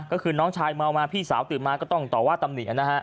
ก็คือน้องชายเมามาพี่สาวตื่นมาก็ต้องต่อว่าตำหนินะฮะ